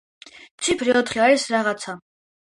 ციფრი ოთხი არის „რაღაცა“.